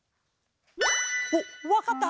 おっわかった？